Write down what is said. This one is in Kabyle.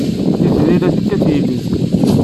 Tiziri la tekkat yelli-s.